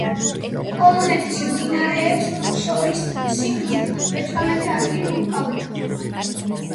პოლონეთის მდინარეებს შორის სიგრძით მეთვრამეტე ადგილი უკავია.